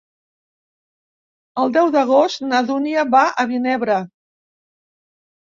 El deu d'agost na Dúnia va a Vinebre.